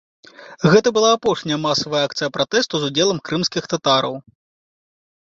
Гэта была апошняя масавая акцыя пратэсту з удзелам крымскіх татараў.